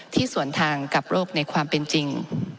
สวนทางกับโลกในความเป็นจริง